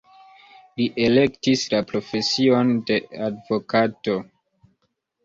Li elektis la profesion de advokato.